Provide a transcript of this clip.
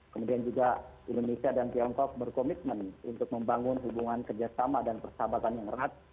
kemudian juga indonesia dan tiongkok berkomitmen untuk membangun hubungan kerjasama dan persahabatan yang erat